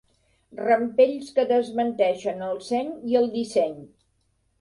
Rampells que desmenteixen el seny i el disseny.